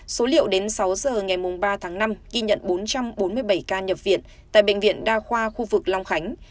số liệu đến sáu giờ ngày ba tháng năm ghi nhận bốn trăm bốn mươi bảy ca nhập viện tại bệnh viện đa khoa khu vực long khánh